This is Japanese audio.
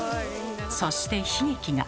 そして悲劇が。